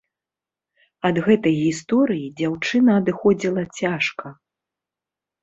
Ад гэтай гісторыі дзяўчына адыходзіла цяжка.